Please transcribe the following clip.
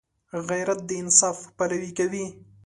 غیرت د انصاف پلوي کوي